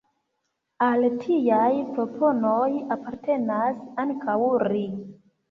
Al tiaj proponoj apartenas ankaŭ "ri".